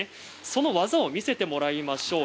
その技を見せてもらいましょう。